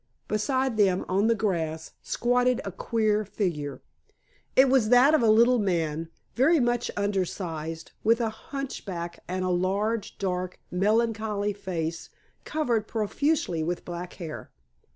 Beside them, on the grass, squatted a queer figure. It was that of a little man, very much under sized, with a hunch back and a large, dark, melancholy face covered profusely with black hair.